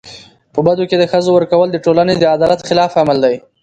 په بدو کي د ښځو ورکول د ټولني د عدالت خلاف عمل دی.